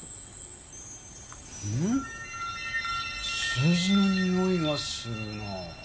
数字のにおいがするな。